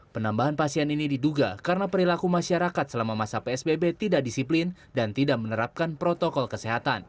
penambahan pasien ini diduga karena perilaku masyarakat selama masa psbb tidak disiplin dan tidak menerapkan protokol kesehatan